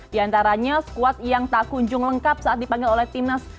di antaranya squad yang tak kunjung lengkap saat dipanggil oleh timnas